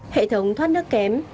hệ thống thoát nước kém